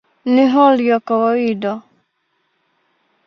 Ni hali ya kawaida".